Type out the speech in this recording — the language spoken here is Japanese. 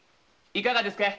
いかがですかい？